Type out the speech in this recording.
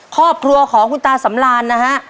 ครอบครัวของคุณตาสำรานนะฮะ